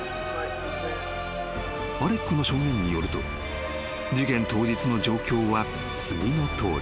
［アレックの証言によると事件当日の状況は次のとおり］